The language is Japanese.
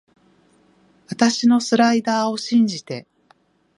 あたしのスライダーを信じて